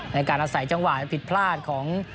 ในการอาศัยจังหวะผิดพลาดของ